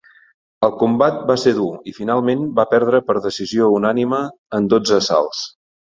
El combat va ser dur i finalment va perdre per decisió unànime en dotze assalts.